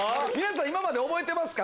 今まで覚えてますか？